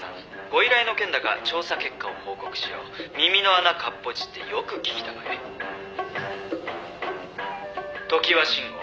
「ご依頼の件だが調査結果を報告しよう」「耳の穴かっぽじってよく聞きたまえ」「常盤臣吾